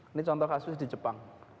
ini contoh kasus di jepang